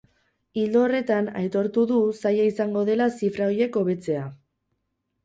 Ildo horretan, aitortu du zaila izango dela zifra horiek hobetzea.